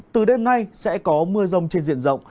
từ đêm nay sẽ có mưa rông trên diện rộng